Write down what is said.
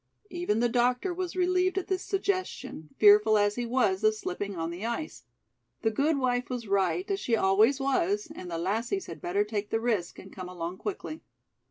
Even the doctor was relieved at this suggestion, fearful as he was of slipping on the ice. The gude wife was right, as she always was, and the lassies had better take the risk and come along quickly.